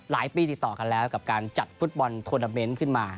ปีติดต่อกันแล้วกับการจัดฟุตบอลทวนาเมนต์ขึ้นมา